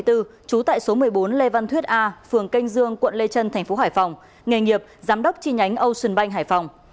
trú tại số một mươi bốn lê văn thuyết a phường canh dương quận lê trân tp hcm nghề nghiệp giám đốc chi nhánh ocean bank hải phòng